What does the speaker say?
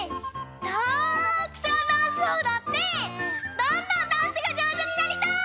たくさんダンスをおどってどんどんダンスがじょうずになりたい！